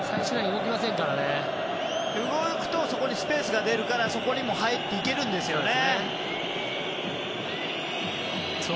動くとそこにスペースが出るからそこに入っていけるんですよね。